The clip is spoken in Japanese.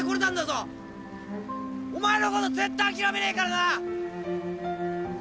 お前のこと絶対あきらめねえからな！